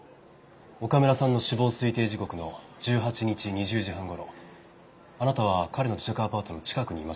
岡村さんの死亡推定時刻の１８日２０時半頃あなたは彼の自宅アパートの近くにいましたよね？